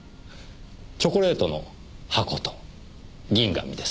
チョコレートの箱と銀紙です。